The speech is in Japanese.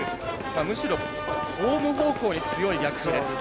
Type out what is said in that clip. むしろ、ホーム方向に強い逆風です。